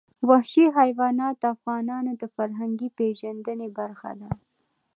وحشي حیوانات د افغانانو د فرهنګي پیژندنې برخه ده.